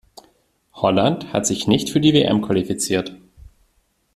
Holland hat sich nicht für die WM qualifiziert.